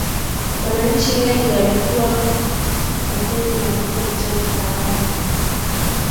wananchi wengi walikuwa na mapenzi mazito na chama tawala